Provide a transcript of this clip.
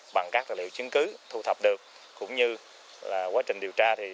bằng các tài liệu chứng cứ thu thập được cũng như quá trình điều tra